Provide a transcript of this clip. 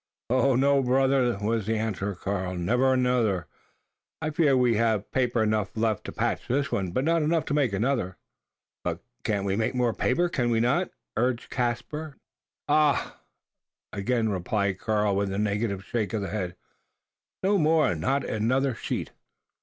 "No, brother," was the answer of Karl; "never another, I fear. We have paper enough left to patch this one; but not enough to make another." "But we can make more paper, can we not?" urged Caspar, interrogatively. "Ah!" again replied Karl, with a negative shake of the head, "no more not another sheet!"